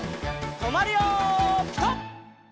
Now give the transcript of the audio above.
とまるよピタ！